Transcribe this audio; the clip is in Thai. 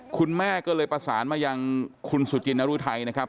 คุณแม่ก็เลยประสานมายังคุณสุจินนรุไทยนะครับ